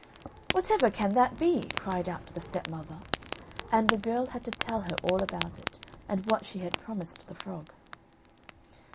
"Whatever can that be?" cried out the stepmother, and the girl had to tell her all about it, and what she had promised the frog.